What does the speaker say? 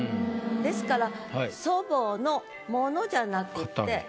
ですから「祖母のもの」じゃなくて。